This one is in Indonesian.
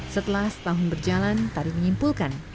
setelah setahun berjalan tari menyimpulkan